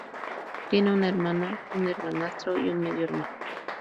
Tiene una hermana, un hermanastro y un medio hermano.